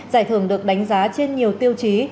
giải thưởng được đánh giá trên nhiều tiêu chí